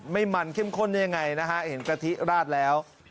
ไม่มันเข้มข้นยังไงนะฮะเห็นกะทิราดแล้ว